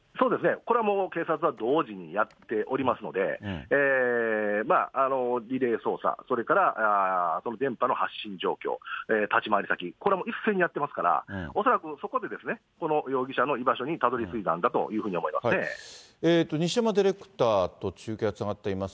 これはもう警察は同時にやっておりますので、リレー捜査、それから電波の発信状況、立ち回り先、これは一斉にやってますから、恐らくそこでこの容疑者の居場所にたどりついたんだというふうに西山ディレクターと中継がつながっています。